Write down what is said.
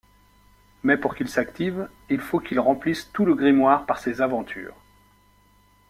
Mais pour qu'il s'active, il faut qu'il remplisse tout le grimoire par ses aventures.